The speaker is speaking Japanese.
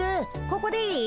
ここでいい？